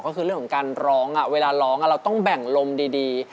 ก็คือเรื่องของการร้องเวลาร้องเราต้องแบ่งลมดี